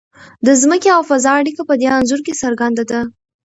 د ځمکې او فضا اړیکه په دې انځور کې څرګنده ده.